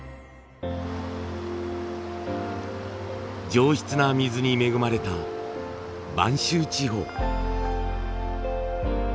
上質な水に恵まれた播州地方。